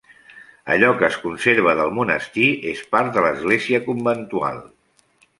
Allò que es conserva del monestir és part de l'església conventual.